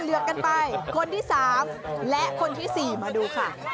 เลือกกันไปคนที่๓และคนที่๔มาดูค่ะ